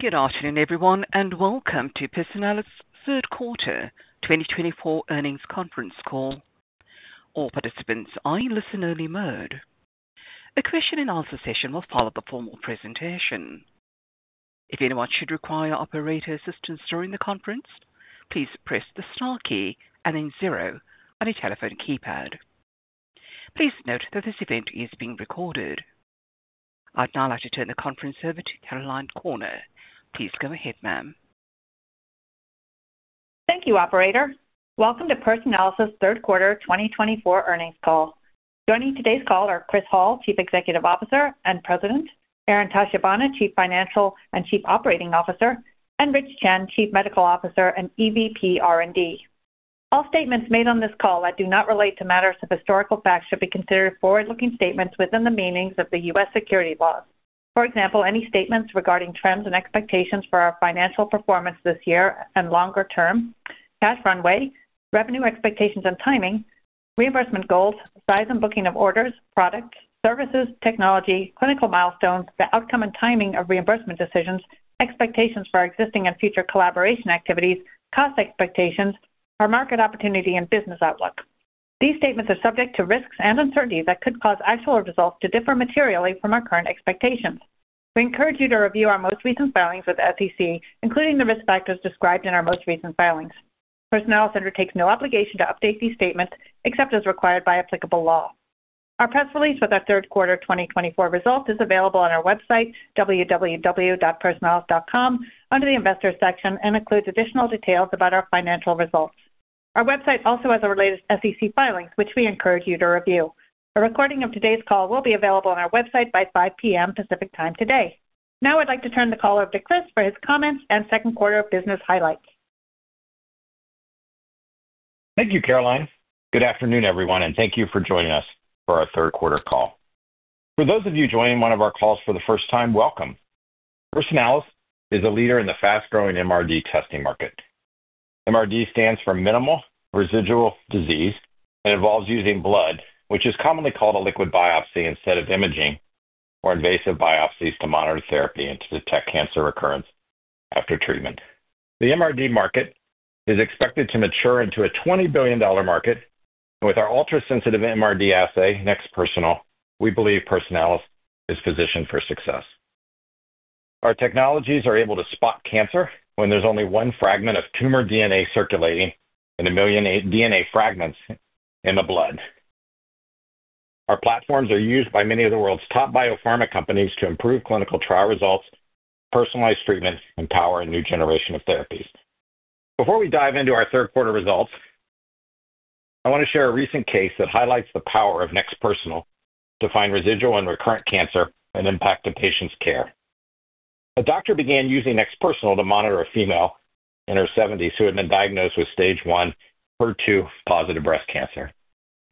Good afternoon, everyone, and welcome to Personalis' third quarter 2024 earnings conference call. All participants are in listen-only mode. A question-and-answer session will follow the formal presentation. If anyone should require operator assistance during the conference, please press the star key and then zero on a telephone keypad. Please note that this event is being recorded. I'd now like to turn the conference over to Caroline Corner. Please go ahead, ma'am. Thank you, Operator. Welcome to Personalis' third quarter 2024 earnings call. Joining today's call are Chris Hall, Chief Executive Officer and President; Aaron Tachibana, Chief Financial Officer and Chief Operating Officer; and Rich Chen, Chief Medical Officer and EVP of R&D. All statements made on this call that do not relate to matters of historical fact should be considered forward-looking statements within the meanings of the U.S. securities laws. For example, any statements regarding trends and expectations for our financial performance this year and longer term, cash runway, revenue expectations and timing, reimbursement goals, size and booking of orders, products, services, technology, clinical milestones, the outcome and timing of reimbursement decisions, expectations for existing and future collaboration activities, cost expectations, our market opportunity and business outlook. These statements are subject to risks and uncertainties that could cause actual results to differ materially from our current expectations. We encourage you to review our most recent filings with SEC, including the risk factors described in our most recent filings. Personalis undertakes no obligation to update these statements except as required by applicable law. Our press release with our third quarter 2024 results is available on our website, www.personalis.com, under the Investor section, and includes additional details about our financial results. Our website also has a related SEC filing, which we encourage you to review. A recording of today's call will be available on our website by 5:00 P.M. Pacific Time today. Now I'd like to turn the call over to Chris for his comments and second quarter business highlights. Thank you, Caroline. Good afternoon, everyone, and thank you for joining us for our third quarter call. For those of you joining one of our calls for the first time, welcome. Personalis is a leader in the fast-growing MRD testing market. MRD stands for Minimal Residual Disease and involves using blood, which is commonly called a liquid biopsy instead of imaging, or invasive biopsies to monitor therapy and to detect cancer recurrence after treatment. The MRD market is expected to mature into a $20 billion market, and with our ultra-sensitive MRD assay, NeXT Personal, we believe Personalis is positioned for success. Our technologies are able to spot cancer when there's only one fragment of tumor DNA circulating in a million DNA fragments in the blood. Our platforms are used by many of the world's top biopharma companies to improve clinical trial results, personalized treatments, and power a new generation of therapies. Before we dive into our third quarter results, I want to share a recent case that highlights the power of NeXT Personal to find residual and recurrent cancer and impact a patient's care. A doctor began using NeXT Personal to monitor a female in her 70s who had been diagnosed with stage I HER2-positive breast cancer.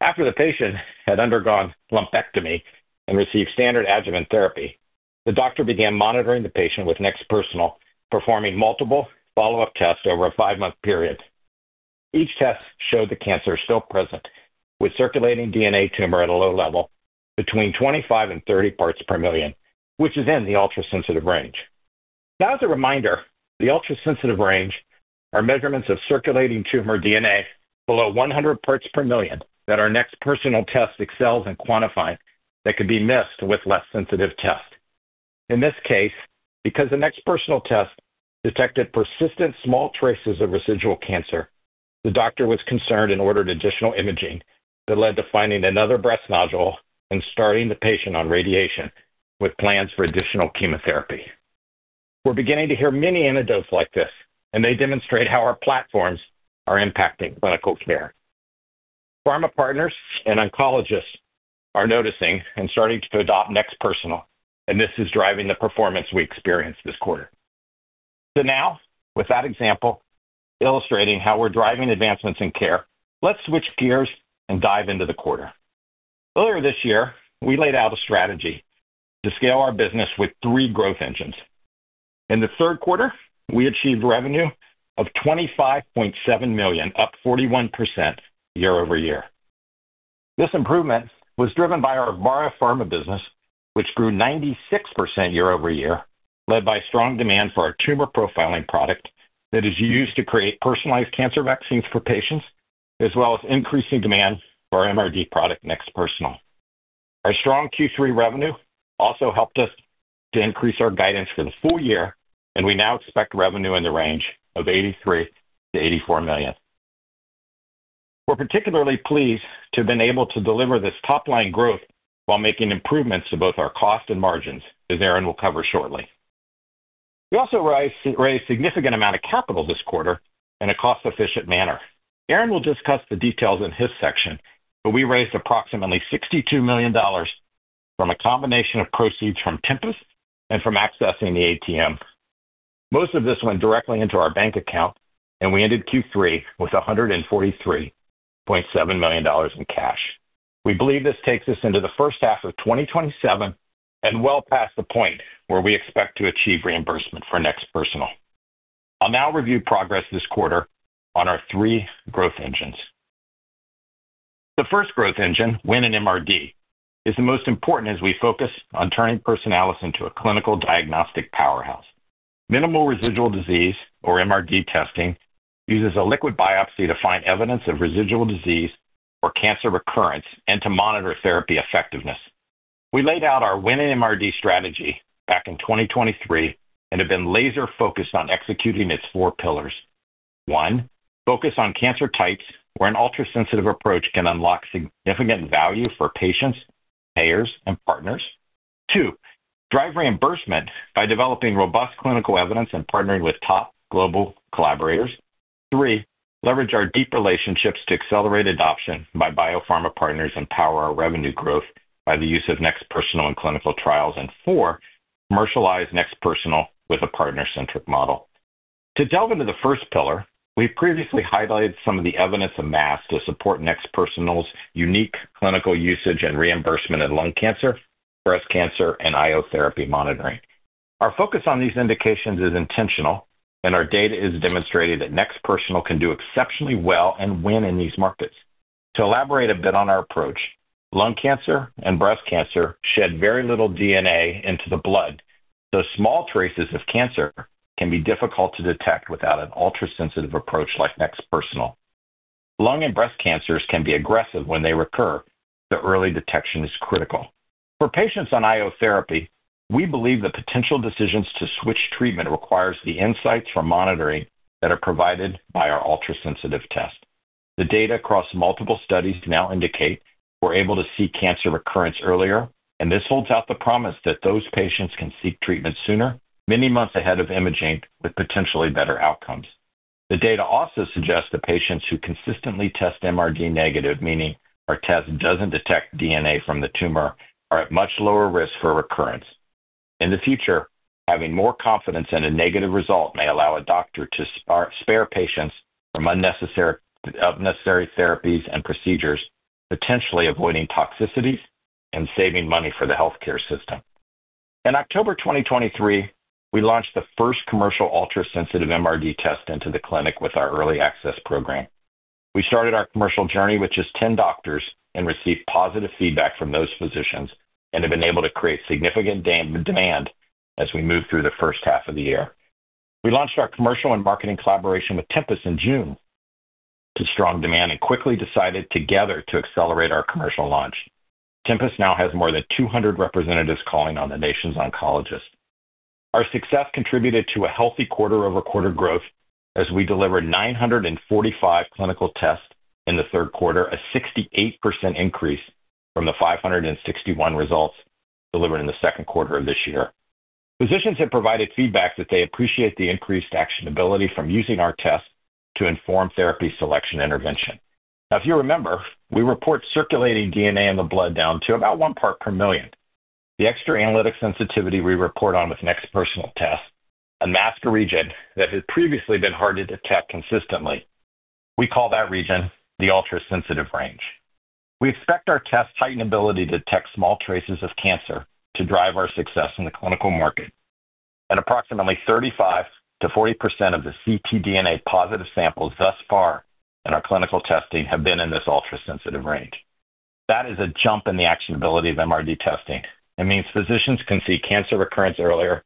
After the patient had undergone lumpectomy and received standard adjuvant therapy, the doctor began monitoring the patient with NeXT Personal, performing multiple follow-up tests over a five-month period. Each test showed the cancer still present, with circulating tumor DNA at a low level between 25 and 30 parts per million, which is in the ultra-sensitive range. Now, as a reminder, the ultra-sensitive range are measurements of circulating tumor DNA below 100 parts per million that our NeXT Personal test excels in quantifying that could be missed with less sensitive tests. In this case, because the NeXT Personal test detected persistent small traces of residual cancer, the doctor was concerned and ordered additional imaging that led to finding another breast nodule and starting the patient on radiation with plans for additional chemotherapy. We're beginning to hear many anecdotes like this, and they demonstrate how our platforms are impacting clinical care. Pharma partners and oncologists are noticing and starting to adopt NeXT Personal, and this is driving the performance we experienced this quarter. So now, with that example illustrating how we're driving advancements in care, let's switch gears and dive into the quarter. Earlier this year, we laid out a strategy to scale our business with three growth engines. In the third quarter, we achieved revenue of $25.7 million, up 41% year-over-year. This improvement was driven by our biopharma business, which grew 96% year-over-year, led by strong demand for our tumor profiling product that is used to create personalized cancer vaccines for patients, as well as increasing demand for our MRD product, NeXT Personal. Our strong Q3 revenue also helped us to increase our guidance for the full year, and we now expect revenue in the range of $83 million-$84 million. We're particularly pleased to have been able to deliver this top-line growth while making improvements to both our cost and margins, as Aaron will cover shortly. We also raised a significant amount of capital this quarter in a cost-efficient manner. Aaron will discuss the details in his section, but we raised approximately $62 million from a combination of proceeds from Tempus and from accessing the ATM. Most of this went directly into our bank account, and we ended Q3 with $143.7 million in cash. We believe this takes us into the first half of 2027 and well past the point where we expect to achieve reimbursement for NeXT Personal. I'll now review progress this quarter on our three growth engines. The first growth engine, Win in MRD, is the most important as we focus on turning Personalis into a clinical diagnostic powerhouse. Minimal residual disease, or MRD testing, uses a liquid biopsy to find evidence of residual disease or cancer recurrence and to monitor therapy effectiveness. We laid out our Win in MRD strategy back in 2023 and have been laser-focused on executing its four pillars. One, focus on cancer types where an ultra-sensitive approach can unlock significant value for patients, payers, and partners. Two, drive reimbursement by developing robust clinical evidence and partnering with top global collaborators. Three, leverage our deep relationships to accelerate adoption by biopharma partners and power our revenue growth by the use of NeXT Personal and clinical trials. And four, commercialize NeXT Personal with a partner-centric model. To delve into the first pillar, we've previously highlighted some of the evidence amassed to support NeXT Personal's unique clinical usage and reimbursement in lung cancer, breast cancer, and IO therapy monitoring. Our focus on these indications is intentional, and our data is demonstrating that NeXT Personal can do exceptionally well and win in these markets. To elaborate a bit on our approach, lung cancer and breast cancer shed very little DNA into the blood, so small traces of cancer can be difficult to detect without an ultra-sensitive approach like NeXT Personal. Lung and breast cancers can be aggressive when they recur, so early detection is critical. For patients on IO therapy, we believe the potential decisions to switch treatment require the insights from monitoring that are provided by our ultra-sensitive test. The data across multiple studies now indicate we're able to see cancer recurrence earlier, and this holds out the promise that those patients can seek treatment sooner, many months ahead of imaging with potentially better outcomes. The data also suggests that patients who consistently test MRD negative, meaning our test doesn't detect DNA from the tumor, are at much lower risk for recurrence. In the future, having more confidence in a negative result may allow a doctor to spare patients from unnecessary therapies and procedures, potentially avoiding toxicities and saving money for the healthcare system. In October 2023, we launched the first commercial ultra-sensitive MRD test into the clinic with our Early Access program. We started our commercial journey with just 10 doctors and received positive feedback from those physicians and have been able to create significant demand as we move through the first half of the year. We launched our commercial and marketing collaboration with Tempus in June due to strong demand and quickly decided together to accelerate our commercial launch. Tempus now has more than 200 representatives calling on the nation's oncologists. Our success contributed to a healthy quarter-over-quarter growth as we delivered 945 clinical tests in the third quarter, a 68% increase from the 561 results delivered in the second quarter of this year. Physicians have provided feedback that they appreciate the increased actionability from using our tests to inform therapy selection intervention. Now, if you remember, we report circulating DNA in the blood down to about one part per million. The extra analytic sensitivity we report on with NeXT Personal tests amassed a region that had previously been hard to detect consistently. We call that region the ultra-sensitive range. We expect our test heightened ability to detect small traces of cancer to drive our success in the clinical market, and approximately 35%-40% of the ctDNA positive samples thus far in our clinical testing have been in this ultra-sensitive range. That is a jump in the actionability of MRD testing. It means physicians can see cancer recurrence earlier,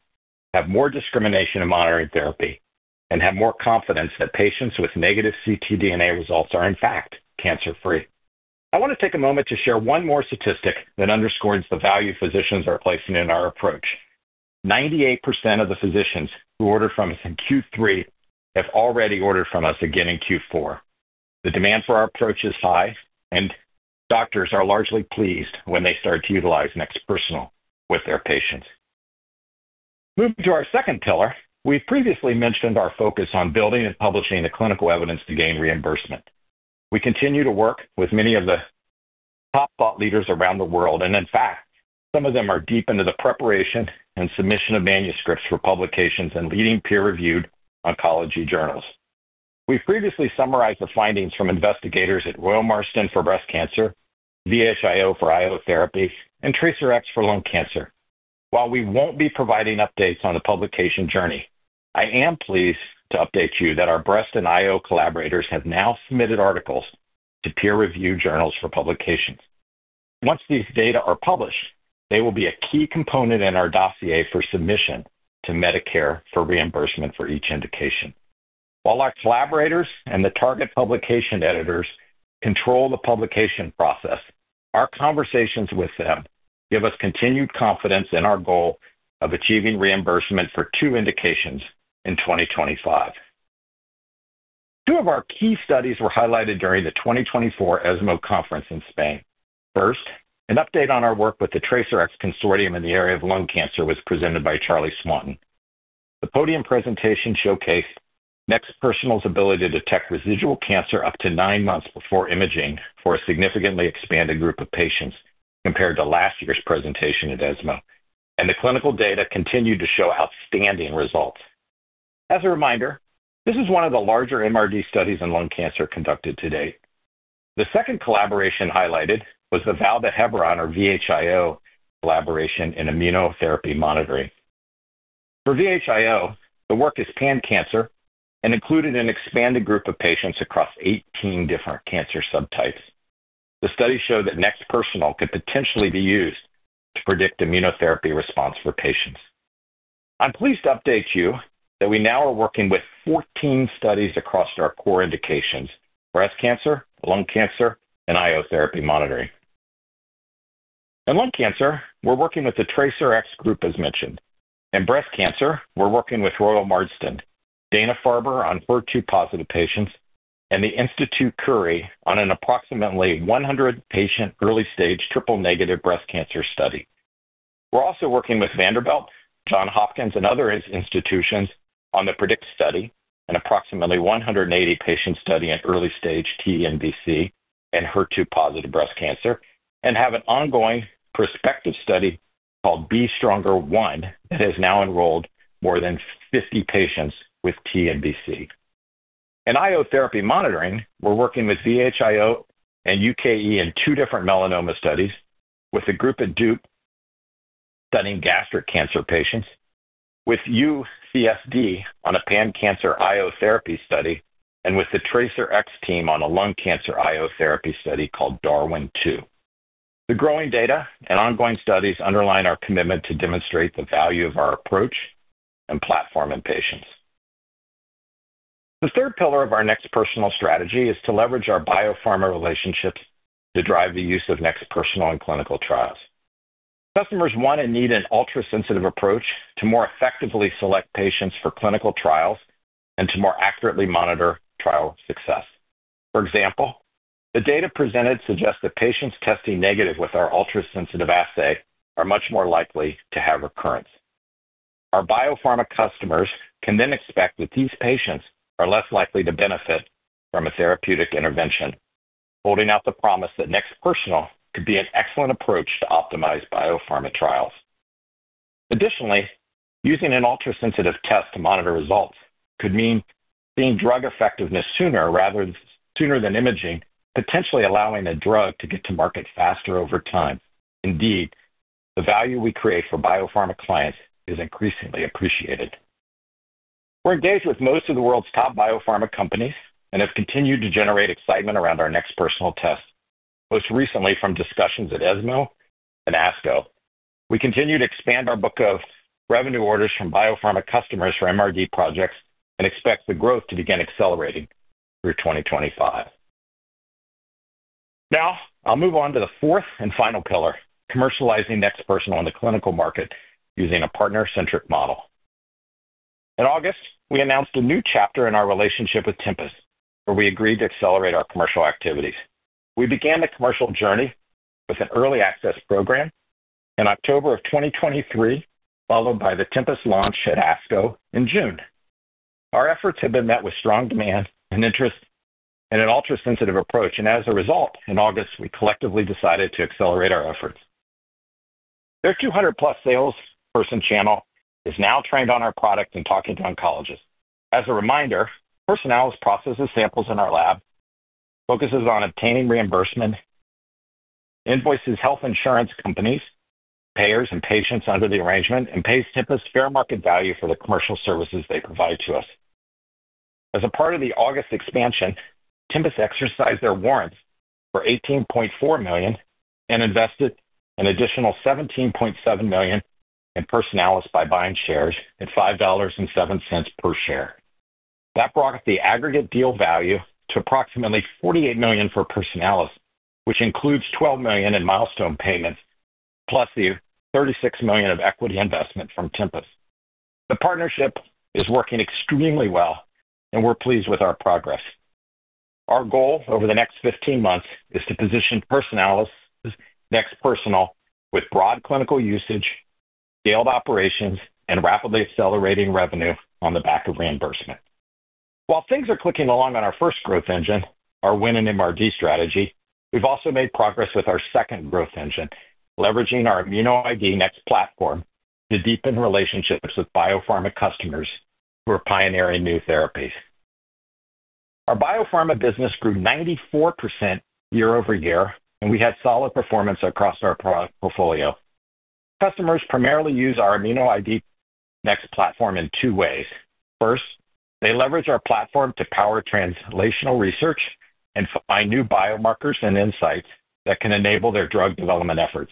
have more discrimination in monitoring therapy, and have more confidence that patients with negative ctDNA results are, in fact, cancer-free. I want to take a moment to share one more statistic that underscores the value physicians are placing in our approach. 98% of the physicians who ordered from us in Q3 have already ordered from us again in Q4. The demand for our approach is high, and doctors are largely pleased when they start to utilize NeXT Personal with their patients. Moving to our second pillar, we've previously mentioned our focus on building and publishing the clinical evidence to gain reimbursement. We continue to work with many of the top thought leaders around the world, and in fact, some of them are deep into the preparation and submission of manuscripts for publications and leading peer-reviewed oncology journals. We've previously summarized the findings from investigators at Royal Marsden for breast cancer, VHIO for IO therapy, and TRACERx for lung cancer. While we won't be providing updates on the publication journey, I am pleased to update you that our breast and IO collaborators have now submitted articles to peer-reviewed journals for publications. Once these data are published, they will be a key component in our dossier for submission to Medicare for reimbursement for each indication. While our collaborators and the target publication editors control the publication process, our conversations with them give us continued confidence in our goal of achieving reimbursement for two indications in 2025. Two of our key studies were highlighted during the 2024 ESMO Conference in Spain. First, an update on our work with the TRACERx Consortium in the area of lung cancer was presented by Charles Swanton. The podium presentation showcased NeXT Personal's ability to detect residual cancer up to nine months before imaging for a significantly expanded group of patients compared to last year's presentation at ESMO, and the clinical data continued to show outstanding results. As a reminder, this is one of the larger MRD studies in lung cancer conducted to date. The second collaboration highlighted was the Vall d'Hebron, or VHIO, collaboration in immunotherapy monitoring. For VHIO, the work is pan-cancer and included an expanded group of patients across 18 different cancer subtypes. The study showed that NeXT Personal could potentially be used to predict immunotherapy response for patients. I'm pleased to update you that we now are working with 14 studies across our core indications: breast cancer, lung cancer, and IO therapy monitoring. In lung cancer, we're working with the TRACERx group, as mentioned. In breast cancer, we're working with Royal Marsden, Dana-Farber on HER2-positive patients, and the Institut Curie on an approximately 100-patient early-stage triple-negative breast cancer study. We're also working with Vanderbilt, Johns Hopkins, and other institutions on the PREDICT study, an approximately 180-patient study in early-stage TNBC and HER2-positive breast cancer, and have an ongoing prospective study called B-STRONGER-1 that has now enrolled more than 50 patients with TNBC. In IO therapy monitoring, we're working with VHIO and UKE in two different melanoma studies, with a group at Duke studying gastric cancer patients, with UCSD on a pan-cancer IO therapy study, and with the TRACERx team on a lung cancer IO therapy study called Darwin II. The growing data and ongoing studies underline our commitment to demonstrate the value of our approach and platform in patients. The third pillar of our NeXT Personal strategy is to leverage our biopharma relationships to drive the use of NeXT Personal in clinical trials. Customers want and need an ultra-sensitive approach to more effectively select patients for clinical trials and to more accurately monitor trial success. For example, the data presented suggests that patients testing negative with our ultra-sensitive assay are much more likely to have recurrence. Our biopharma customers can then expect that these patients are less likely to benefit from a therapeutic intervention, holding out the promise that NeXT Personal could be an excellent approach to optimize biopharma trials. Additionally, using an ultra-sensitive test to monitor results could mean seeing drug effectiveness sooner than imaging, potentially allowing the drug to get to market faster over time. Indeed, the value we create for biopharma clients is increasingly appreciated. We're engaged with most of the world's top biopharma companies and have continued to generate excitement around our NeXT Personal tests, most recently from discussions at ESMO and ASCO. We continue to expand our book of revenue orders from biopharma customers for MRD projects and expect the growth to begin accelerating through 2025. Now, I'll move on to the fourth and final pillar: commercializing NeXT Personal in the clinical market using a partner-centric model. In August, we announced a new chapter in our relationship with Tempus, where we agreed to accelerate our commercial activities. We began the commercial journey with an Early Access program in October 2023, followed by the Tempus launch at ASCO in June. Our efforts have been met with strong demand and interest in an ultra-sensitive approach, and as a result, in August, we collectively decided to accelerate our efforts. Their 200+ salesperson channel is now trained on our product and talking to oncologists. As a reminder, Personalis processes samples in our lab, focuses on obtaining reimbursement, invoices health insurance companies, payers, and patients under the arrangement, and pays Tempus fair market value for the commercial services they provide to us. As a part of the August expansion, Tempus exercised their warrants for 18.4 million and invested an additional 17.7 million in Personalis by buying shares at $5.07 per share. That brought the aggregate deal value to approximately $48 million for Personalis, which includes $12 million in milestone payments plus the $36 million of equity investment from Tempus. The partnership is working extremely well, and we're pleased with our progress. Our goal over the next 15 months is to position Personalis as NeXT Personal with broad clinical usage, scaled operations, and rapidly accelerating revenue on the back of reimbursement. While things are clicking along on our first growth engine, our win in MRD strategy, we've also made progress with our second growth engine, leveraging our ImmunoID NeXT platform to deepen relationships with biopharma customers who are pioneering new therapies. Our biopharma business grew 94% year-over-year, and we had solid performance across our product portfolio. Customers primarily use our ImmunoID NeXT platform in two ways. First, they leverage our platform to power translational research and find new biomarkers and insights that can enable their drug development efforts.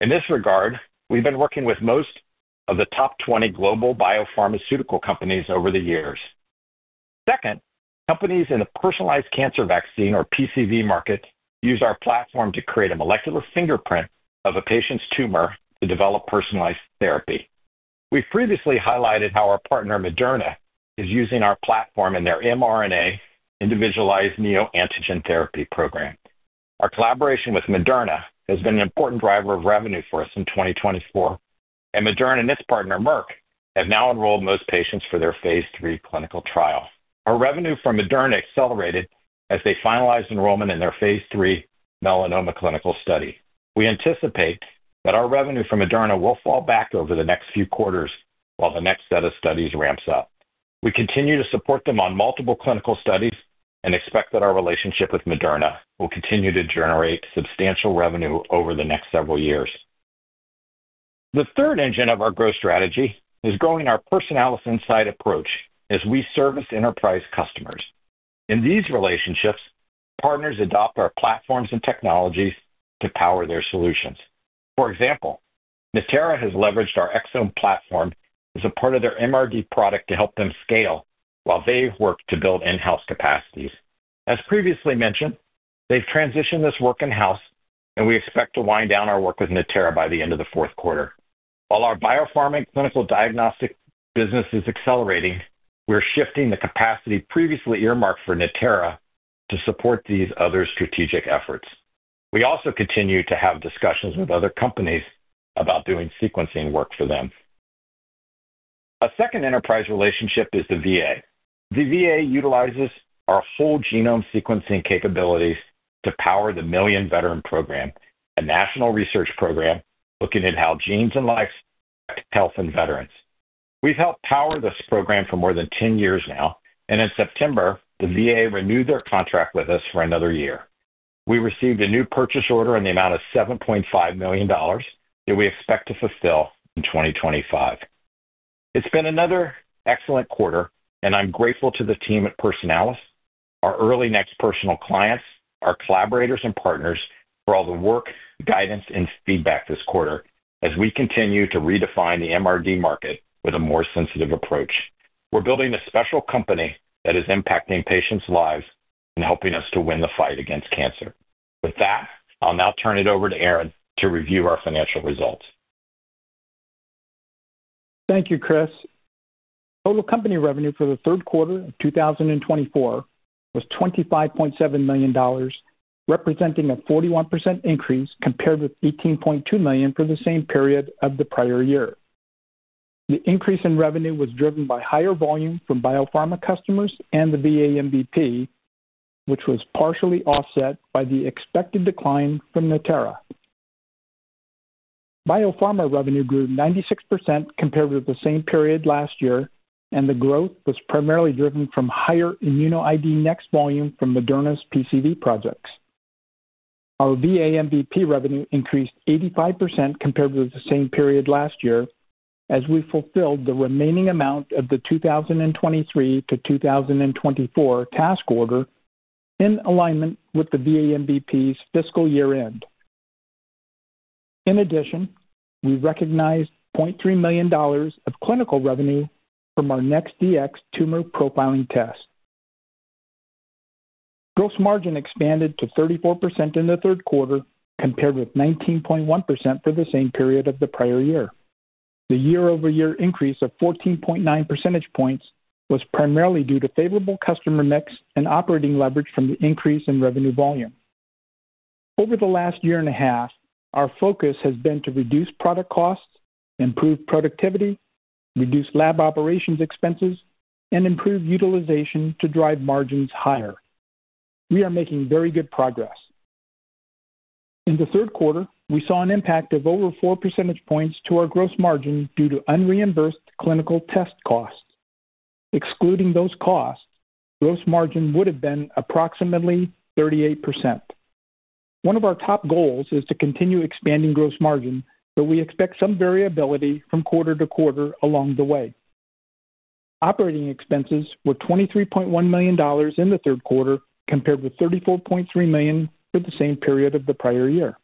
In this regard, we've been working with most of the top 20 global biopharmaceutical companies over the years. Second, companies in the personalized cancer vaccine, or PCV, market use our platform to create a molecular fingerprint of a patient's tumor to develop personalized therapy. We've previously highlighted how our partner, Moderna, is using our platform in their mRNA individualized neoantigen therapy program. Our collaboration with Moderna has been an important driver of revenue for us in 2024, and Moderna and its partner, Merck, have now enrolled most patients for their phase III clinical trial. Our revenue from Moderna accelerated as they finalized enrollment in their phase III melanoma clinical study. We anticipate that our revenue from Moderna will fall back over the next few quarters while the next set of studies ramps up. We continue to support them on multiple clinical studies and expect that our relationship with Moderna will continue to generate substantial revenue over the next several years. The third engine of our growth strategy is growing our Personalis Insight approach as we service enterprise customers. In these relationships, our partners adopt our platforms and technologies to power their solutions. For example, Natera has leveraged our Exome platform as a part of their MRD product to help them scale while they work to build in-house capacities. As previously mentioned, they've transitioned this work in-house, and we expect to wind down our work with Natera by the end of the fourth quarter. While our biopharma and clinical diagnostic business is accelerating, we're shifting the capacity previously earmarked for Natera to support these other strategic efforts. We also continue to have discussions with other companies about doing sequencing work for them. A second enterprise relationship is the VA. The VA utilizes our whole genome sequencing capabilities to power the Million Veteran Program, a national research program looking at how genes and life affect health and veterans. We've helped power this program for more than 10 years now, and in September, the VA renewed their contract with us for another year. We received a new purchase order in the amount of $7.5 million that we expect to fulfill in 2025. It's been another excellent quarter, and I'm grateful to the team at Personalis, our early NeXT Personal clients, our collaborators, and partners for all the work, guidance, and feedback this quarter as we continue to redefine the MRD market with a more sensitive approach. We're building a special company that is impacting patients' lives and helping us to win the fight against cancer. With that, I'll now turn it over to Aaron to review our financial results. Thank you, Chris. Total company revenue for the third quarter of 2024 was $25.7 million, representing a 41% increase compared with $18.2 million for the same period of the prior year. The increase in revenue was driven by higher volume from biopharma customers and the VA MVP, which was partially offset by the expected decline from Natera. Biopharma revenue grew 96% compared with the same period last year, and the growth was primarily driven from higher ImmunoID NeXT volume from Moderna's PCV projects. Our VA MVP revenue increased 85% compared with the same period last year as we fulfilled the remaining amount of the 2023 to 2024 task order in alignment with the VA MVP's fiscal year-end. In addition, we recognized $0.3 million of clinical revenue from our NeXT Dx tumor profiling test. Gross margin expanded to 34% in the third quarter compared with 19.1% for the same period of the prior year. The year-over-year increase of 14.9 percentage points was primarily due to favorable customer mix and operating leverage from the increase in revenue volume. Over the last year and a half, our focus has been to reduce product costs, improve productivity, reduce lab operations expenses, and improve utilization to drive margins higher. We are making very good progress. In the third quarter, we saw an impact of over 4 percentage points to our gross margin due to unreimbursed clinical test costs. Excluding those costs, gross margin would have been approximately 38%. One of our top goals is to continue expanding gross margin, so we expect some variability from quarter to quarter along the way. Operating expenses were $23.1 million in the third quarter compared with $34.3 million for the same period of the prior year.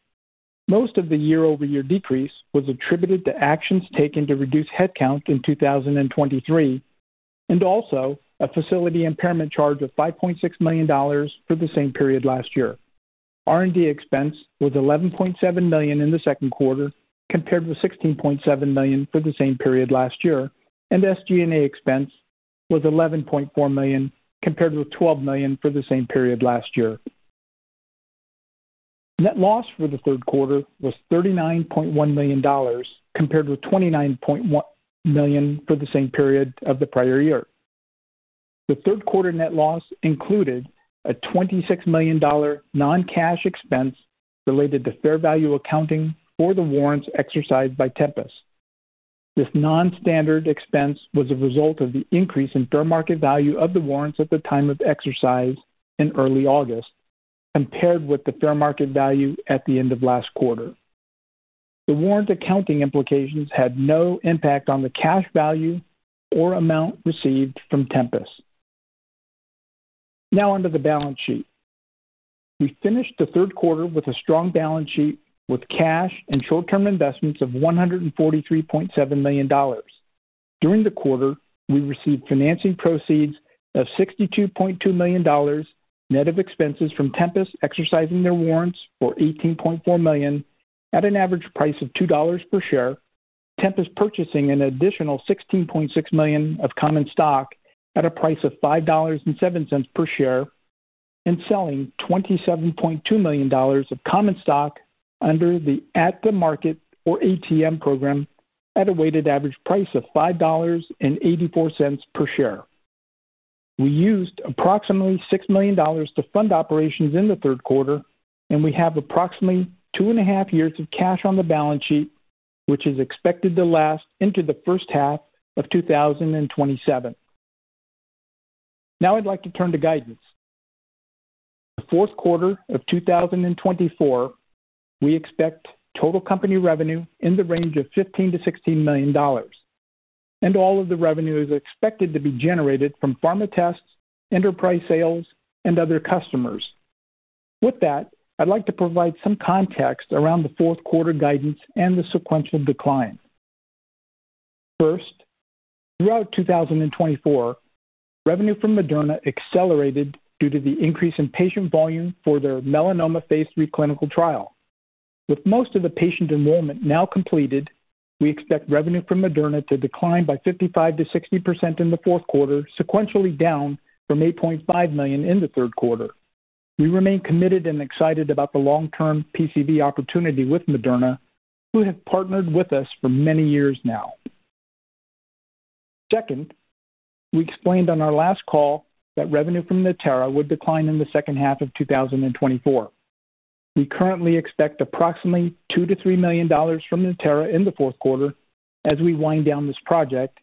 Most of the year-over-year decrease was attributed to actions taken to reduce headcount in 2023 and also a facility impairment charge of $5.6 million for the same period last year. R&D expense was $11.7 million in the second quarter compared with $16.7 million for the same period last year, and SG&A expense was $11.4 million compared with $12 million for the same period last year. Net loss for the third quarter was $39.1 million compared with $29.1 million for the same period of the prior year. The third quarter net loss included a $26 million non-cash expense related to fair value accounting for the warrants exercised by Tempus. This non-standard expense was a result of the increase in fair market value of the warrants at the time of exercise in early August compared with the fair market value at the end of last quarter. The warrant accounting implications had no impact on the cash value or amount received from Tempus. Now, under the balance sheet, we finished the third quarter with a strong balance sheet with cash and short-term investments of $143.7 million. During the quarter, we received financing proceeds of $62.2 million, net of expenses from Tempus exercising their warrants for $18.4 million at an average price of $2 per share, Tempus purchasing an additional $16.6 million of common stock at a price of $5.07 per share, and selling $27.2 million of common stock under the at-the-market or ATM program at a weighted average price of $5.84 per share. We used approximately $6 million to fund operations in the third quarter, and we have approximately two and a half years of cash on the balance sheet, which is expected to last into the first half of 2027. Now, I'd like to turn to guidance. The fourth quarter of 2024, we expect total company revenue in the range of $15 million-$16 million, and all of the revenue is expected to be generated from pharma tests, enterprise sales, and other customers. With that, I'd like to provide some context around the fourth quarter guidance and the sequential decline. First, throughout 2024, revenue from Moderna accelerated due to the increase in patient volume for their melanoma phase III clinical trial. With most of the patient enrollment now completed, we expect revenue from Moderna to decline by 55%-60% in the fourth quarter, sequentially down from $8.5 million in the third quarter. We remain committed and excited about the long-term PCV opportunity with Moderna, who have partnered with us for many years now. Second, we explained on our last call that revenue from Natera would decline in the second half of 2024. We currently expect approximately $2 million-$3 million from Natera in the fourth quarter as we wind down this project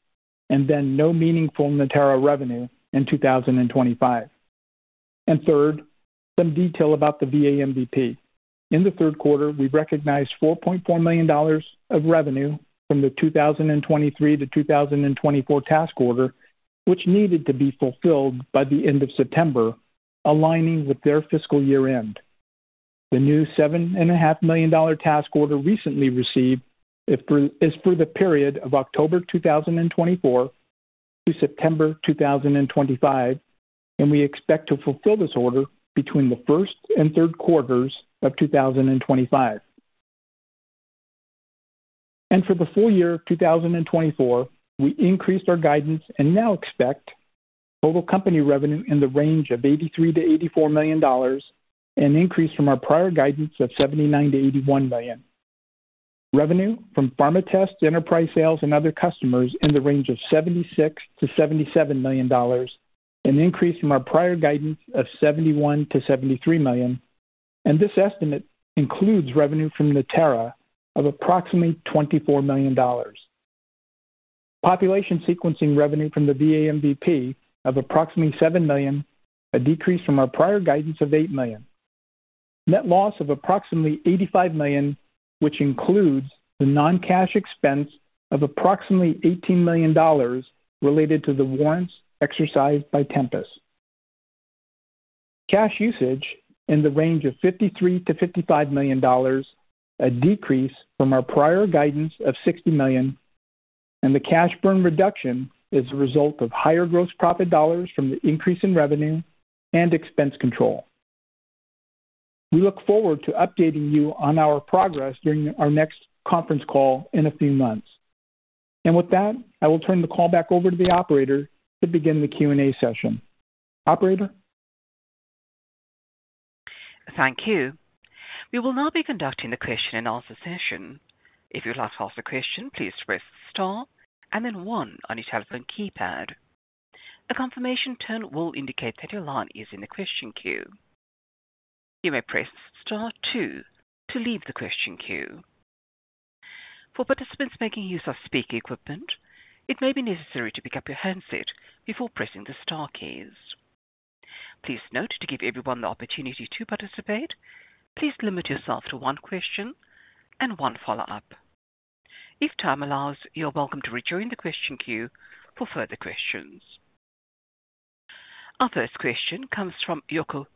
and then no meaningful Natera revenue in 2025. And third, some detail about the VA MVP. In the third quarter, we recognized $4.4 million of revenue from the 2023 to 2024 task order, which needed to be fulfilled by the end of September, aligning with their fiscal year-end. The new $7.5 million task order recently received is for the period of October 2024 to September 2025, and we expect to fulfill this order between the first and third quarters of 2025. And for the full year of 2024, we increased our guidance and now expect total company revenue in the range of $83 million-$84 million and increased from our prior guidance of $79 million-$81 million. Revenue from pharma tests, enterprise sales, and other customers in the range of $76 million-$77 million and increased from our prior guidance of $71 million-$73 million. And this estimate includes revenue from Natera of approximately $24 million. Population sequencing revenue from the VA MVP of approximately $7 million, a decrease from our prior guidance of $8 million. Net loss of approximately $85 million, which includes the non-cash expense of approximately $18 million related to the warrants exercised by Tempus. Cash usage in the range of $53 million-$55 million, a decrease from our prior guidance of $60 million, and the cash burn reduction is the result of higher gross profit dollars from the increase in revenue and expense control. We look forward to updating you on our progress during our next conference call in a few months. And with that, I will turn the call back over to the operator to begin the Q&A session. Operator. Thank you. We will now be conducting the question and answer session. If you'd like to ask a question, please press star and then one on your telephone keypad. A confirmation tone will indicate that your line is in the question queue. You may press star two to leave the question queue. For participants making use of speaker equipment, it may be necessary to pick up your handset before pressing the Star keys. Please note to give everyone the opportunity to participate, please limit yourself to one question and one follow-up. If time allows, you're welcome to rejoin the question queue for further questions. Our first question comes from Yuko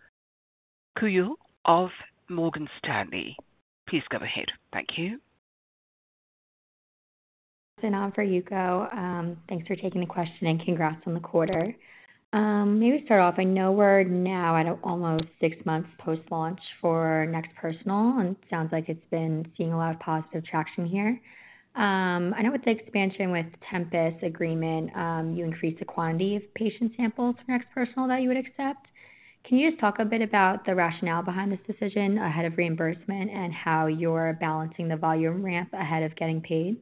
Okuya of Morgan Stanley. Please go ahead. Thank you. So now for Yuko, thanks for taking the question and congrats on the quarter. Maybe we start off. I know we're now at almost six months post-launch for NeXT Personal, and it sounds like it's been seeing a lot of positive traction here. I know with the expansion with Tempus agreement, you increased the quantity of patient samples for NeXT Personal that you would accept. Can you just talk a bit about the rationale behind this decision ahead of reimbursement and how you're balancing the volume ramp ahead of getting paid?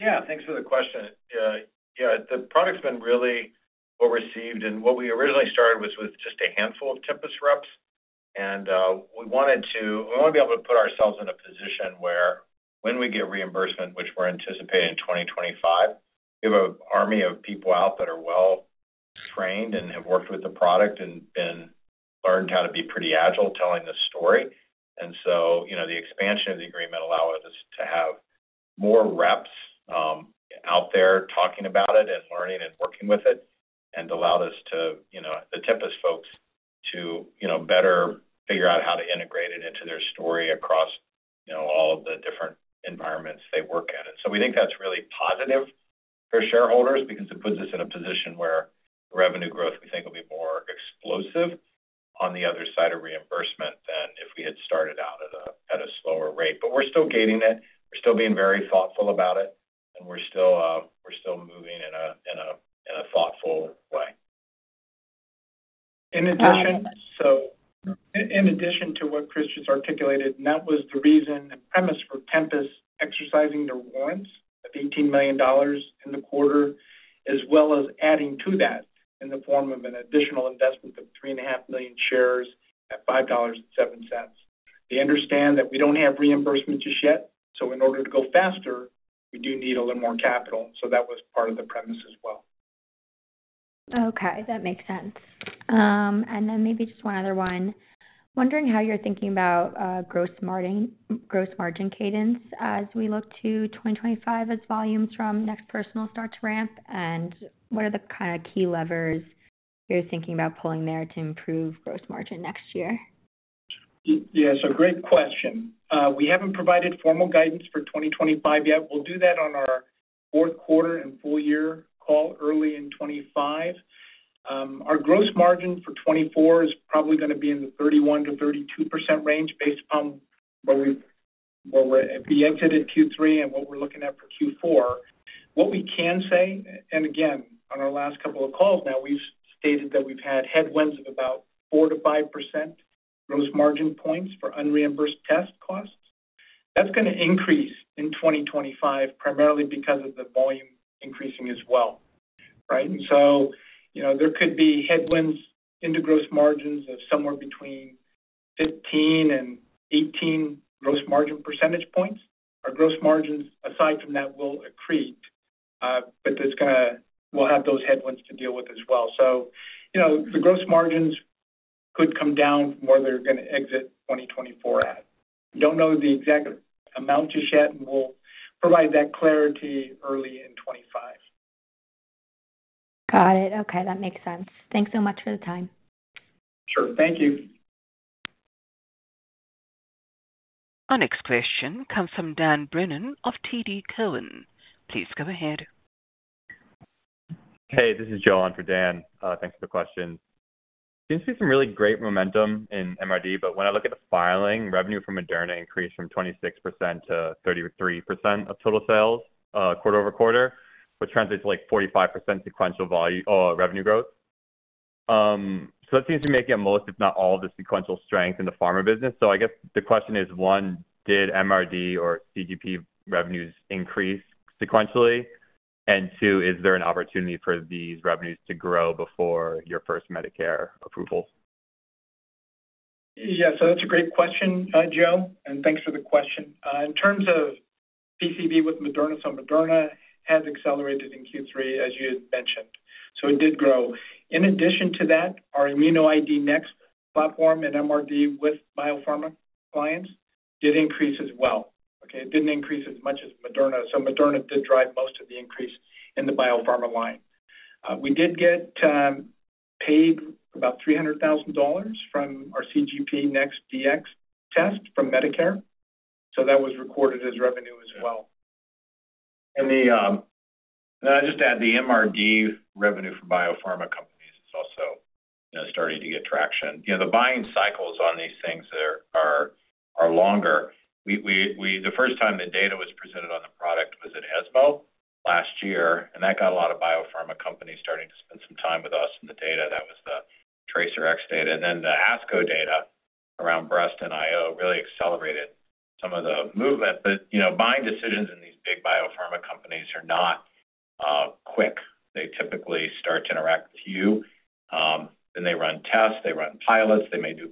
Yeah, thanks for the question. Yeah, the product's been really well received, and what we originally started with was just a handful of Tempus reps, and we wanted to be able to put ourselves in a position where when we get reimbursement, which we're anticipating in 2025, we have an army of people out that are well-trained and have worked with the product and learned how to be pretty agile telling this story. And so the expansion of the agreement allowed us to have more reps out there talking about it and learning and working with it and allowed us to, the Tempus folks, to better figure out how to integrate it into their story across all of the different environments they work at. And so we think that's really positive for shareholders because it puts us in a position where revenue growth we think will be more explosive on the other side of reimbursement than if we had started out at a slower rate. But we're still gating it. We're still being very thoughtful about it, and we're still moving in a thoughtful way. In addition, so in addition to what Chris just articulated, and that was the reason and premise for Tempus exercising their warrants of $18 million in the quarter, as well as adding to that in the form of an additional investment of $3.5 million shares at $5.07. They understand that we don't have reimbursement just yet, so in order to go faster, we do need a little more capital. So that was part of the premise as well. Okay, that makes sense. And then maybe just one other one. Wondering how you're thinking about gross margin cadence as we look to 2025 as volumes from NeXT Personal start to ramp, and what are the kind of key levers you're thinking about pulling there to improve gross margin next year? Yeah, so great question. We haven't provided formal guidance for 2025 yet. We'll do that on our fourth quarter and full year call early in 2025. Our gross margin for 2024 is probably going to be in the 31%-32% range based upon where we exited Q3 and what we're looking at for Q4. What we can say, and again, on our last couple of calls now, we've stated that we've had headwinds of about 4%-5% gross margin points for unreimbursed test costs. That's going to increase in 2025 primarily because of the volume increasing as well, right? And so there could be headwinds into gross margins of somewhere between 15 and 18 gross margin percentage points. Our gross margins aside from that will accrete, but we'll have those headwinds to deal with as well. So the gross margins could come down from where they're going to exit 2024 at. Don't know the exact amount just yet, and we'll provide that clarity early in 2025. Got it. Okay, that makes sense. Thanks so much for the time. Sure. Thank you. Our next question comes from Dan Brennan of TD Cowen. Please go ahead. Hey this is Joel for Dan. Thanks for the question. Seems to be some really great momentum in MRD, but when I look at the filing, revenue from Moderna increased from 26%-33% of total sales quarter over quarter, which translates to like 45% sequential revenue growth. So that seems to be making a most, if not all, of the sequential strength in the pharma business. So I guess the question is, one, did MRD or CGP revenues increase sequentially? And two, is there an opportunity for these revenues to grow before your first Medicare approvals? Yeah, so that's a great question, Joe, and thanks for the question. In terms of PCV with Moderna, so Moderna has accelerated in Q3, as you had mentioned, so it did grow. In addition to that, our ImmunoID NeXT platform and MRD with biopharma clients did increase as well. Okay, it didn't increase as much as Moderna, so Moderna did drive most of the increase in the biopharma line. We did get paid about $300,000 from our NeXT Dx test from Medicare, so that was recorded as revenue as well. I'll just add the MRD revenue for biopharma companies is also starting to get traction. The buying cycles on these things are longer. The first time the data was presented on the product was at ESMO last year, and that got a lot of biopharma companies starting to spend some time with us in the data. That was the TRACERx data. Then the ASCO data around breast and IO really accelerated some of the movement. Buying decisions in these big biopharma companies are not quick. They typically start to interact with you, then they run tests, they run pilots, they may do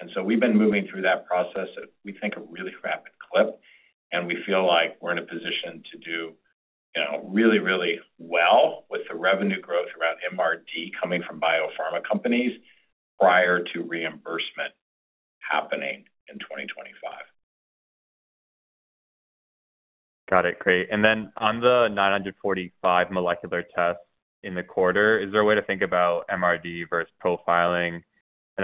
bake-offs. We've been moving through that process at, we think, a really rapid clip, and we feel like we're in a position to do really, really well with the revenue growth around MRD coming from biopharma companies prior to reimbursement happening in 2025. Got it. Great. Then on the 945 molecular tests in the quarter, is there a way to think about MRD versus profiling?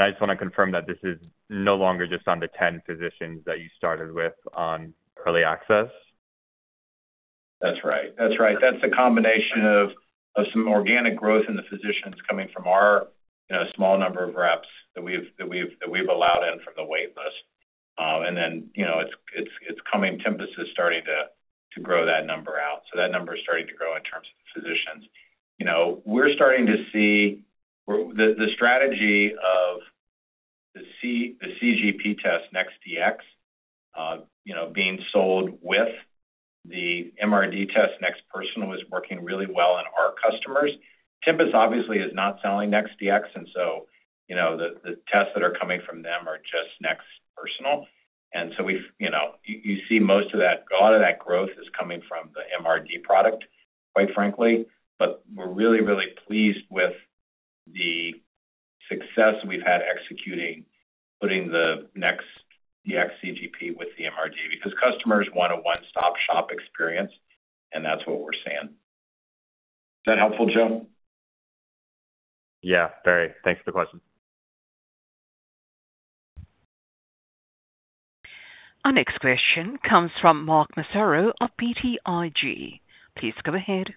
I just want to confirm that this is no longer just on the 10 physicians that you started with on early access. That's right. That's right. That's a combination of some organic growth in the physicians coming from our small number of reps that we've allowed in from the waitlist. And then it's coming. Tempus is starting to grow that number out. So that number is starting to grow in terms of the physicians. We're starting to see the strategy of the CGP test NeXT Dx being sold with the MRD test NeXT Personal is working really well on our customers. Tempus obviously is not selling NeXT Dx, and so the tests that are coming from them are just NeXT Personal. And so you see most of that, a lot of that growth is coming from the MRD product, quite frankly. But we're really, really pleased with the success we've had executing putting the NeXT Dx CGP with the MRD because customers want a one-stop shop experience, and that's what we're seeing. Is that helpful, Joe? Yeah, very. Thanks for the question. Our next question comes from Mark Massaro of BTIG. Please go ahead.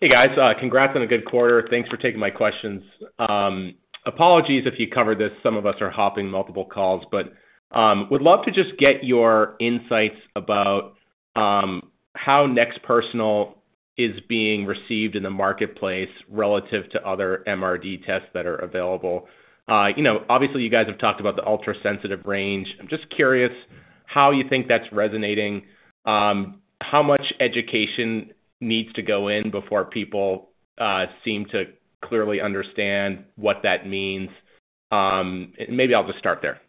Hey, guys. Congrats on a good quarter. Thanks for taking my questions. Apologies if you covered this; some of us are hopping multiple calls, but would love to just get your insights about how NeXT Personal is being received in the marketplace relative to other MRD tests that are available. Obviously, you guys have talked about the ultra-sensitive range. I'm just curious how you think that's resonating, how much education needs to go in before people seem to clearly understand what that means. And maybe I'll just start there.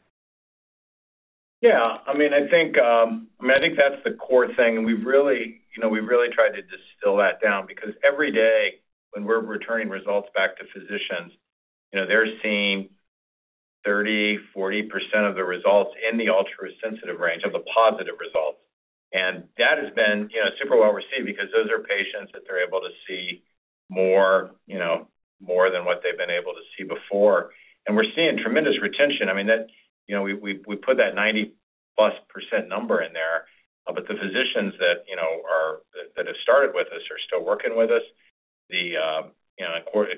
Yeah. I mean, I think that's the core thing. And we really tried to distill that down because every day when we're returning results back to physicians, they're seeing 30%-40% of the results in the ultra-sensitive range of the positive results. And that has been super well received because those are patients that they're able to see more than what they've been able to see before. And we're seeing tremendous retention. I mean, we put that 90%+ number in there, but the physicians that have started with us are still working with us. The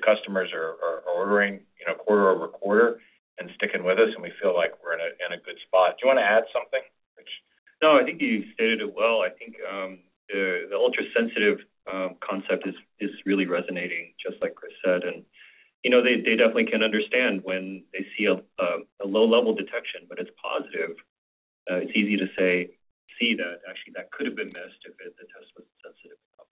customers are ordering quarter over quarter and sticking with us, and we feel like we're in a good spot. Do you want to add something? No, I think you stated it well. I think the ultra-sensitive concept is really resonating, just like Chris said. And they definitely can understand when they see a low-level detection, but it's positive. It's easy to see that actually that could have been missed if the test wasn't sensitive enough.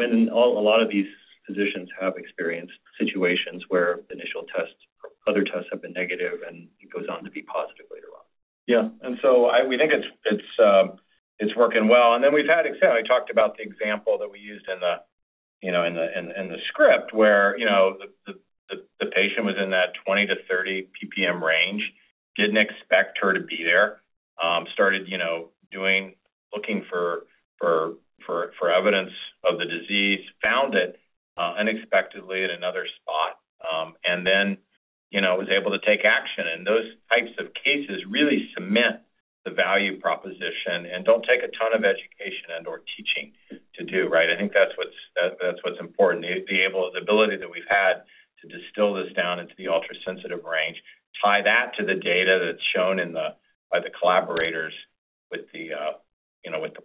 Then a lot of these physicians have experienced situations where the initial tests, other tests have been negative, and it goes on to be positive later on. Yeah. So we think it's working well. Then we've had, I talked about the example that we used in the script where the patient was in that 20-30 PPM range, didn't expect her to be there, started looking for evidence of the disease, found it unexpectedly in another spot, and then was able to take action. Those types of cases really cement the value proposition and don't take a ton of education and/or teaching to do, right? I think that's what's important. The ability that we've had to distill this down into the ultra-sensitive range, tie that to the data that's shown by the collaborators with the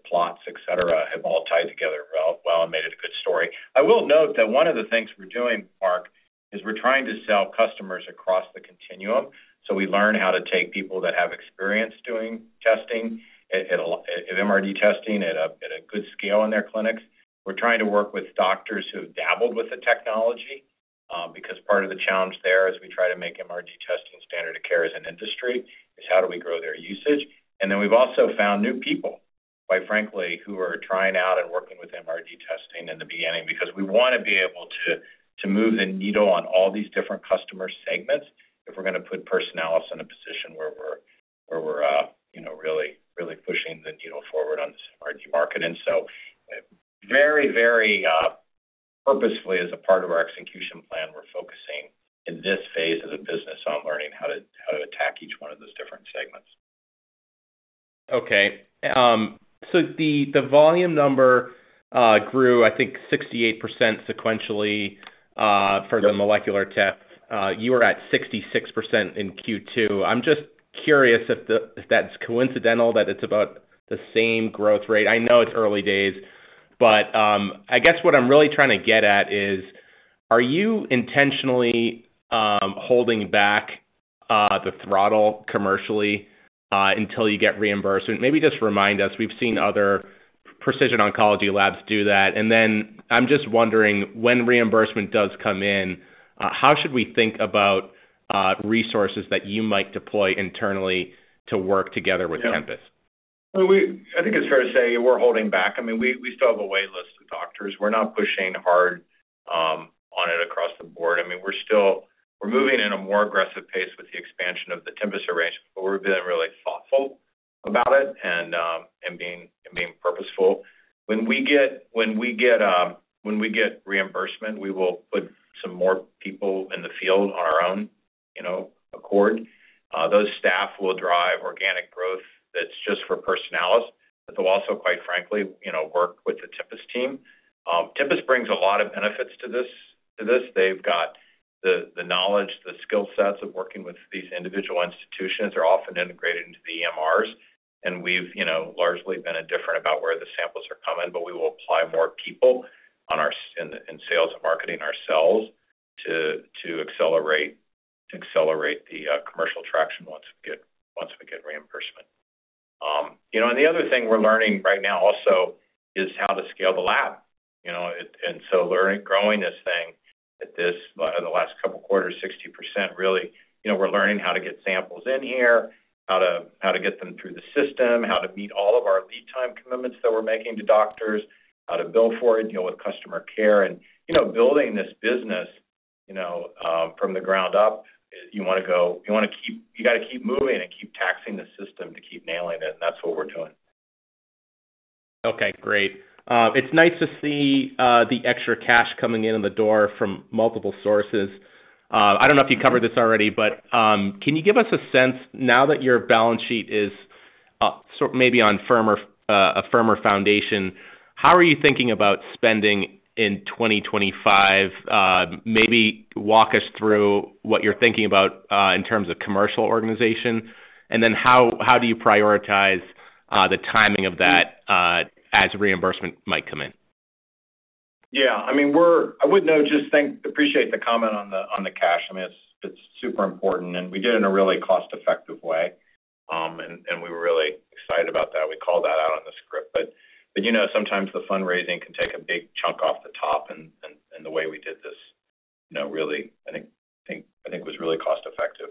plots, etc., have all tied together well and made it a good story. I will note that one of the things we're doing, Mark, is we're trying to sell customers across the continuum. So we learn how to take people that have experience doing testing of MRD testing at a good scale in their clinics. We're trying to work with doctors who have dabbled with the technology because part of the challenge there as we try to make MRD testing standard of care as an industry is how do we grow their usage. And then we've also found new people, quite frankly, who are trying out and working with MRD testing in the beginning because we want to be able to move the needle on all these different customer segments if we're going to put Personalis in a position where we're really pushing the needle forward on this MRD market. And so very, very purposefully, as a part of our execution plan, we're focusing in this phase of the business on learning how to attack each one of those different segments. Okay. So the volume number grew, I think, 68% sequentially for the molecular test. You were at 66% in Q2. I'm just curious if that's coincidental that it's about the same growth rate. I know it's early days, but I guess what I'm really trying to get at is, are you intentionally holding back the throttle commercially until you get reimbursement? Maybe just remind us. We've seen other precision oncology labs do that, and then I'm just wondering, when reimbursement does come in, how should we think about resources that you might deploy internally to work together with Tempus? I think it's fair to say we're holding back. I mean, we still have a waitlist of doctors. We're not pushing hard on it across the board. I mean, we're moving at a more aggressive pace with the expansion of the Tempus arrangement, but we're being really thoughtful about it and being purposeful. When we get reimbursement, we will put some more people in the field on our own accord. Those staff will drive organic growth that's just for Personalis. They'll also, quite frankly, work with the Tempus team. Tempus brings a lot of benefits to this. They've got the knowledge, the skill sets of working with these individual institutions. They're often integrated into the EMRs, and we've largely been indifferent about where the samples are coming, but we will apply more people in sales and marketing ourselves to accelerate the commercial traction once we get reimbursement. And the other thing we're learning right now also is how to scale the lab. And so growing this thing at the last couple of quarters, 60%, really, we're learning how to get samples in here, how to get them through the system, how to meet all of our lead time commitments that we're making to doctors, how to bill for it, deal with customer care. And building this business from the ground up, you want to keep moving and keep taxing the system to keep nailing it, and that's what we're doing. Okay. Great. It's nice to see the extra cash coming in the door from multiple sources. I don't know if you covered this already, but can you give us a sense now that your balance sheet is maybe on a firmer foundation, how are you thinking about spending in 2025? Maybe walk us through what you're thinking about in terms of commercial organization, and then how do you prioritize the timing of that as reimbursement might come in? Yeah. I mean, I would just appreciate the comment on the cash. I mean, it's super important, and we did it in a really cost-effective way, and we were really excited about that. We called that out on the script. But sometimes the fundraising can take a big chunk off the top, and the way we did this really, I think, was really cost-effective.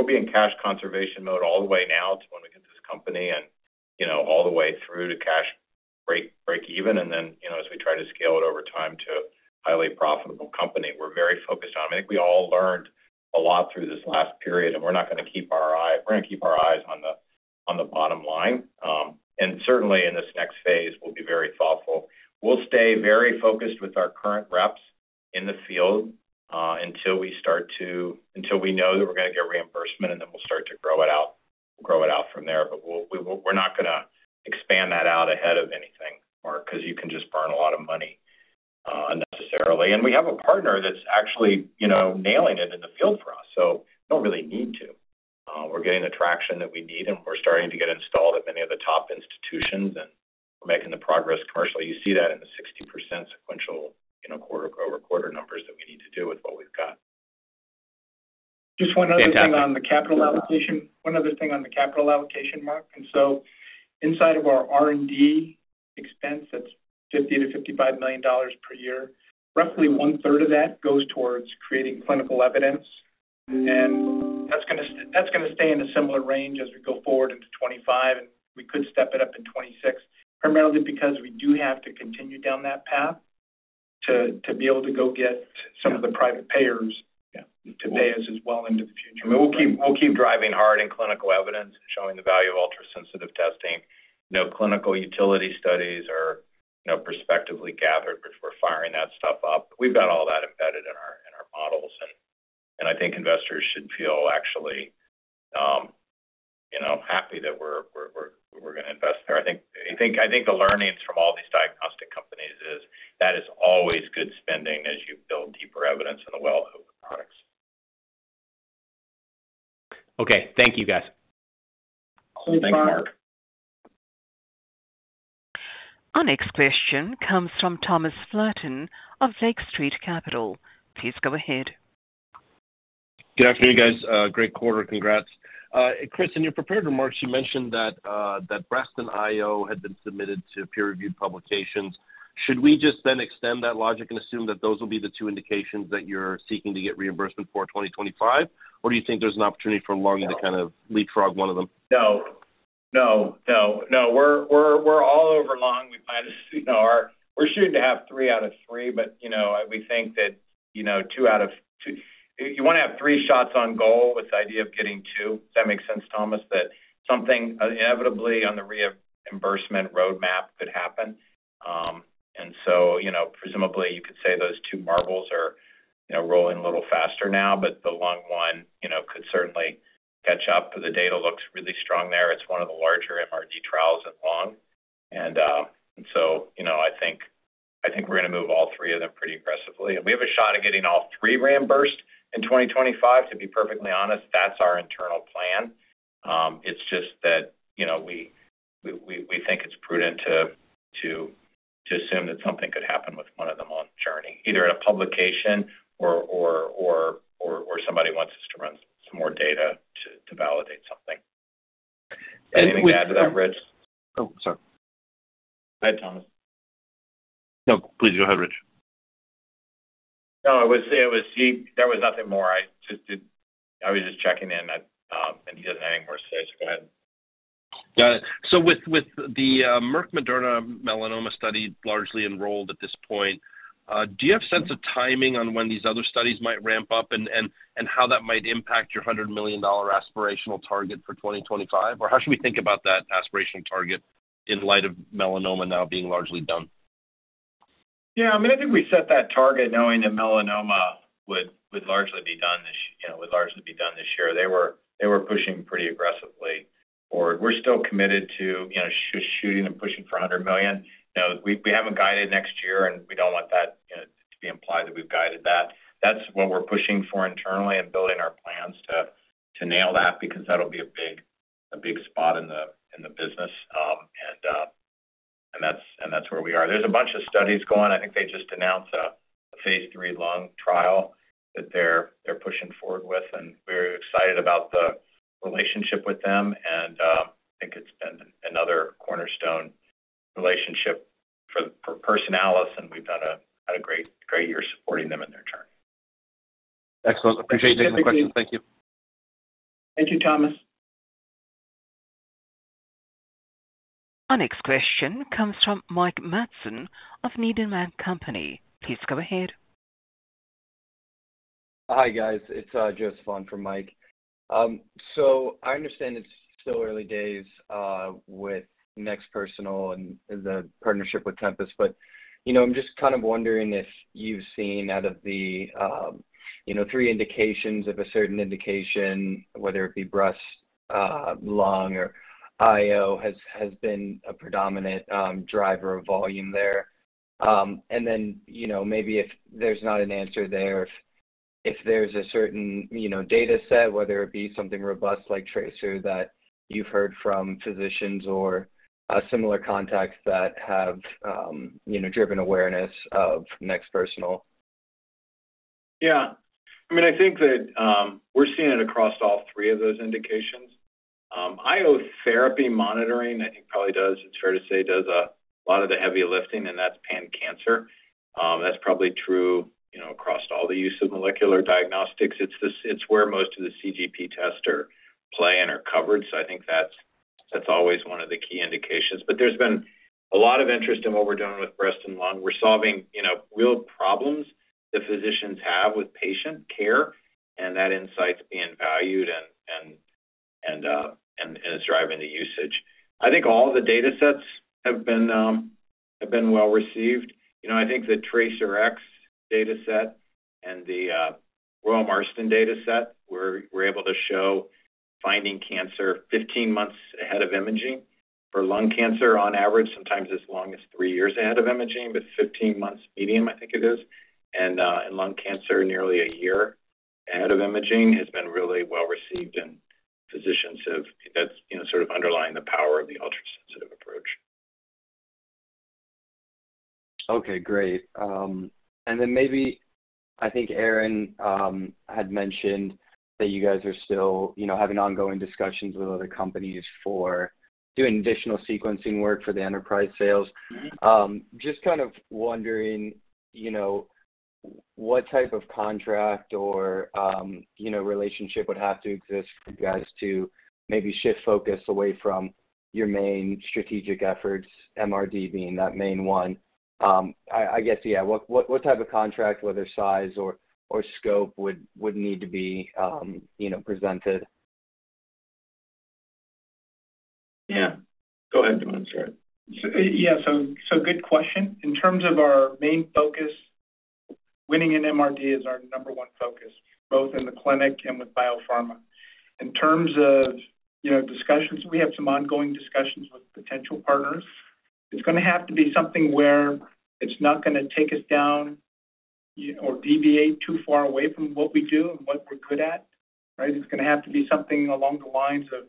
We'll be in cash conservation mode all the way now to when we get this company and all the way through to cash break even, and then as we try to scale it over time to a highly profitable company. We're very focused on it. I think we all learned a lot through this last period, and we're going to keep our eyes on the bottom line and certainly, in this next phase, we'll be very thoughtful. We'll stay very focused with our current reps in the field until we know that we're going to get reimbursement, and then we'll start to grow it out from there. But we're not going to expand that out ahead of anything, Mark, because you can just burn a lot of money unnecessarily. And we have a partner that's actually nailing it in the field for us, so we don't really need to. We're getting the traction that we need, and we're starting to get installed at many of the top institutions, and we're making the progress commercially. You see that in the 60% sequential quarter-over-quarter numbers that we need to do with what we've got. Just one other thing on the capital allocation. One other thing on the capital allocation, Mark. And so inside of our R&D expense, that's $50 million-$55 million per year, roughly one-third of that goes towards creating clinical evidence. And that's going to stay in a similar range as we go forward into 2025, and we could step it up in 2026, primarily because we do have to continue down that path to be able to go get some of the private payers to pay us as well into the future. I mean, we'll keep driving hard in clinical evidence and showing the value of ultra-sensitive testing. Clinical utility studies are prospectively gathered before firing that stuff up. We've got all that embedded in our models, and I think investors should feel actually happy that we're going to invest there. I think the learnings from all these diagnostic companies is that it is always good spending as you build deeper evidence in the wheelhouse of the products. Okay. Thank you, guys. Thanks, Mark. Our next question comes from Thomas Flaten of Lake Street Capital. Please go ahead. Good afternoon, guys. Great quarter. Congrats. Chris, in your prepared remarks, you mentioned that breast IO had been submitted to peer-reviewed publications. Should we just then extend that logic and assume that those will be the two indications that you're seeking to get reimbursement for 2025, or do you think there's an opportunity for lung to kind of leapfrog one of them? No. No. No. No. We're all over lung. We plan to see we're shooting to have three out of three, but we think that two out of three, but you want to have three shots on goal with the idea of getting two. Does that make sense, Thomas? That something inevitably on the reimbursement roadmap could happen. And so presumably, you could say those two marbles are rolling a little faster now, but the lung one could certainly catch up. The data looks really strong there. It's one of the larger MRD trials at lung. So I think we're going to move all three of them pretty aggressively. We have a shot at getting all three reimbursed in 2025. To be perfectly honest, that's our internal plan. It's just that we think it's prudent to assume that something could happen with one of them on the journey, either in a publication or somebody wants us to run some more data to validate something. Anything to add to that, Rich? Oh, sorry. Go ahead, Thomas. No, please go ahead, Rich. No, it was nothing more. I was just checking in, and he doesn't have anything more to say, so go ahead. Got it. So with the Merck Moderna melanoma study largely enrolled at this point, do you have a sense of timing on when these other studies might ramp up and how that might impact your $100 million aspirational target for 2025? Or how should we think about that aspirational target in light of melanoma now being largely done? Yeah. I mean, I think we set that target knowing that melanoma would largely be done this year. They were pushing pretty aggressively forward. We're still committed to shooting and pushing for $100 million. We haven't guided next year, and we don't want that to be implied that we've guided that. That's what we're pushing for internally and building our plans to nail that because that'll be a big spot in the business, and that's where we are. There's a bunch of studies going. I think they just announced a phase III lung trial that they're pushing forward with, and we're excited about the relationship with them. And I think it's been another cornerstone relationship for Personalis, and we've had a great year supporting them in their journey. Excellent. Appreciate it. Any questions? Thank you. Thank you, Thomas. Our next question comes from Mike Matson of Needham & Company. Please go ahead. Hi, guys. It's Joseph von for Mike. So I understand it's still early days with NeXT Personal and the partnership with Tempus, but I'm just kind of wondering if you've seen out of the three indications of a certain indication, whether it be breast, lung, or IO, has been a predominant driver of volume there. And then maybe if there's not an answer there, if there's a certain data set, whether it be something robust like TRACERx that you've heard from physicians or similar contacts that have driven awareness of NeXT Personal. Yeah. I mean, I think that we're seeing it across all three of those indications. IO therapy monitoring, I think probably does, it's fair to say, does a lot of the heavy lifting, and that's pan-cancer. That's probably true across all the use of molecular diagnostics. It's where most of the CGP tests are playing or covered, so I think that's always one of the key indications. But there's been a lot of interest in what we're doing with breast and lung. We're solving real problems that physicians have with patient care, and that insight's being valued and is driving the usage. I think all the data sets have been well received. I think the TRACERx data set and the Royal Marsden data set, we're able to show finding cancer 15 months ahead of imaging for lung cancer on average, sometimes as long as three years ahead of imaging, but 15 months median, I think it is. And lung cancer nearly a year ahead of imaging has been really well received, and physicians have, that's sort of underlying the power of the ultra-sensitive approach. Okay. Great. And then maybe I think Aaron had mentioned that you guys are still having ongoing discussions with other companies for doing additional sequencing work for the enterprise sales. Just kind of wondering what type of contract or relationship would have to exist for you guys to maybe shift focus away from your main strategic efforts, MRD being that main one. I guess, yeah, what type of contract, whether size or scope, would need to be presented? Yeah. Go ahead, Aaron. Sorry. Yeah. So good question. In terms of our main focus, winning in MRD is our number one focus, both in the clinic and with biopharma. In terms of discussions, we have some ongoing discussions with potential partners. It's going to have to be something where it's not going to take us down or deviate too far away from what we do and what we're good at, right? It's going to have to be something along the lines of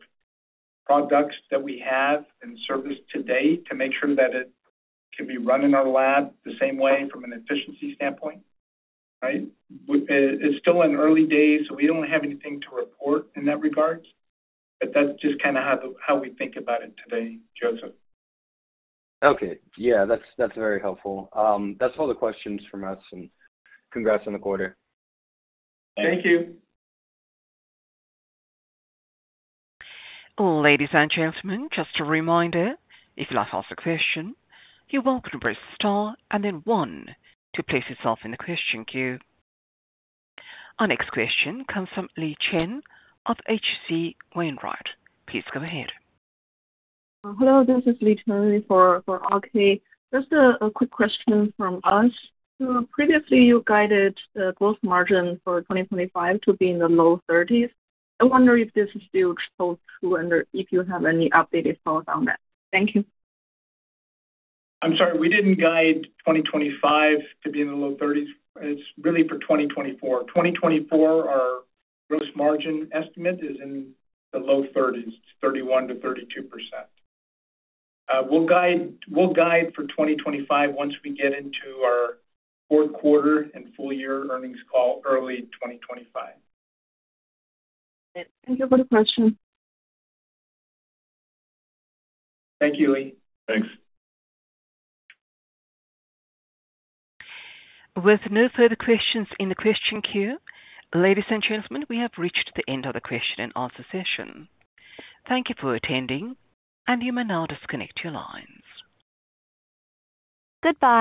products that we have and service today to make sure that it can be run in our lab the same way from an efficiency standpoint, right? It's still in early days, so we don't have anything to report in that regard, but that's just kind of how we think about it today, Joseph. Okay. Yeah. That's very helpful. That's all the questions from us, and congrats on the quarter. Thank you. Ladies and gentlemen, just a reminder, if you like to ask a question, you're welcome to press star and then one to place yourself in the question queue. Our next question comes from Yi Chen of H.C. Wainwright. Please go ahead. Hello. This is Yi Chen for RK. Just a quick question from us. Previously, you guided the gross margin for 2025 to be in the low 30s%. I wonder if this is still true and if you have any updated thoughts on that. Thank you. I'm sorry. We didn't guide 2025 to be in the low 30%. It's really for 2024. 2024, our gross margin estimate is in the low 30s, 31%-32%. We'll guide for 2025 once we get into our quarter-quarter and full-year earnings call early 2025. Thank you for the question. Thank you, Yi. Thanks. With no further questions in the question queue, ladies and gentlemen, we have reached the end of the question and answer session. Thank you for attending, and you may now disconnect your lines. Goodbye.